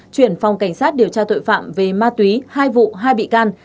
chuyển phòng cảnh sát điều tra tội phạm về ma túy hai vụ hai bị can